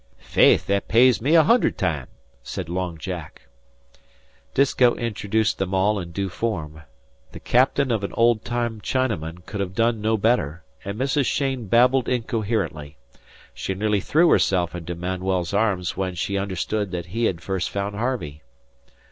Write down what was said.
"Faith, that pays me a hunder time," said Long Jack. Disko introduced them all in due form. The captain of an old time Chinaman could have done no better, and Mrs. Cheyne babbled incoherently. She nearly threw herself into Manuel's arms when she understood that he had first found Harvey.